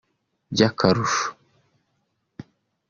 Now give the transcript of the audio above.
By’akarusho